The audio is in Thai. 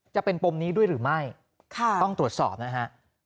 จะเป็นปมนี้ด้วยหรือไม่ต้องตรวจสอบนะฮะ